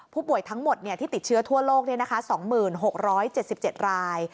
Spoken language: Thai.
ผู้ป่วยทั้งหมดเนี่ยที่ติดเชื้อทั่วโลกเนี่ยนะคะ๒๖๗๗ราย